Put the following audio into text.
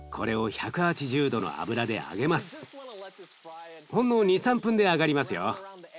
これをほんの２３分で揚がりますよ。